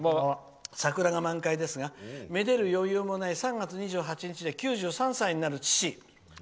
桜が満開ですがめでる余裕もない３月２８日で９３歳になる父。